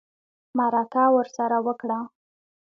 مرکه ورسره وکړه